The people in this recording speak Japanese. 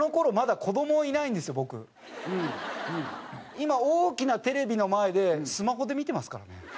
今大きなテレビの前でスマホで見てますからね。